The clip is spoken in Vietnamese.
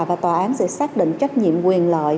và tòa án sẽ xác định trách nhiệm quyền lợi